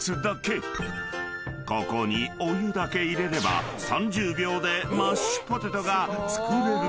［ここにお湯だけ入れれば３０秒でマッシュポテトが作れるというのだが］